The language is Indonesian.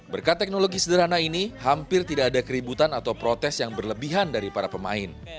berkat teknologi sederhana ini hampir tidak ada keributan atau protes yang berlebihan dari para pemain